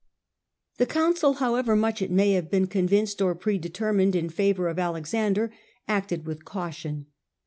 The council, however much it may have been con vinced, or predetermined, in favour of Alexander, acted with caution.